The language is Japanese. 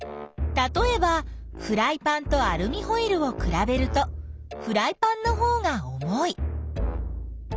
たとえばフライパンとアルミホイルをくらべるとフライパンのほうが重い。